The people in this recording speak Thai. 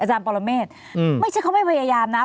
อาจารย์ปรเมฆไม่ใช่เขาไม่พยายามนะ